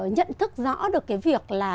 nhận thức rõ được cái việc là